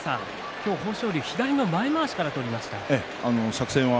今日豊昇龍左の前まわしから取りました。